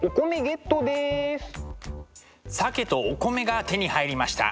鮭とお米が手に入りました。